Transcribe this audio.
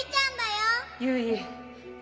・ゆい！